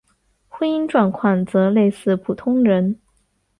婚姻状况则类似普通人。